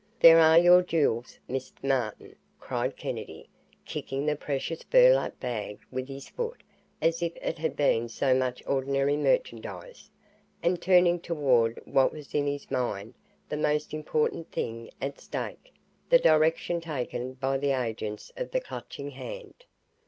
"There are your jewels, Mr. Martin," cried Kennedy, kicking the precious burlap bag with his foot as if it had been so much ordinary merchandise, and turning toward what was in his mind the most important thing at stake the direction taken by the agents of the Clutching Hand.